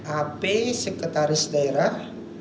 ap sekretaris daerah